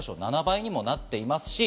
７倍にもなっています。